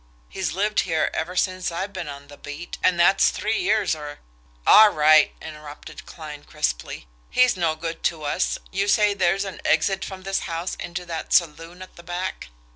He's lived here ever since I've been on the beat, and that's three years or " "All right!" interrupted Kline crisply. "He's no good to us! You say there's an exit from this house into that saloon at the back?"